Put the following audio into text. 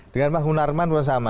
dengan pak hunarman pun sama